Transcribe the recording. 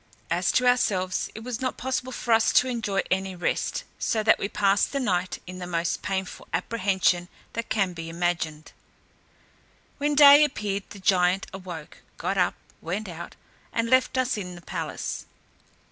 As to ourselves, it was not possible for us to enjoy any rest, so that we passed the night in the most painful apprehension that can be imagined. When day appeared the giant awoke, got up, went out, and left us in the palace.